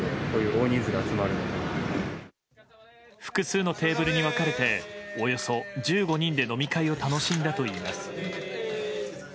複数のテーブルに分かれておよそ１５人で飲み会を楽しんだといいます。